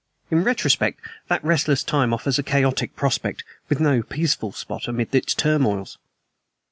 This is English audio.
In retrospect, that restless time offers a chaotic prospect, with no peaceful spot amid its turmoils.